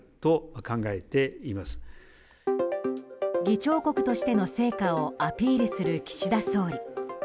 議長国としての成果をアピールする岸田総理。